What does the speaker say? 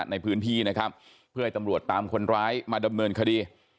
ในพื้นที่นะครับเพื่อให้ตำรวจตามคนร้ายมาดำเนินคดี